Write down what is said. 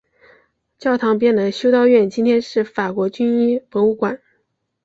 教堂边的修道院今天是法国军医博物馆。